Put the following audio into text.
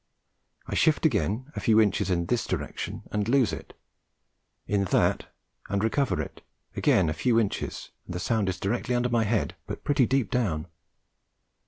I shift again a few inches in this direction, and lose it; in that, and recover it; again a few inches, and the sound is directly under my head, but pretty deep down.